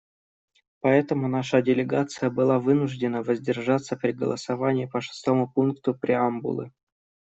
Поэтому наша делегация была вынуждена воздержаться при голосовании по шестому пункту преамбулы.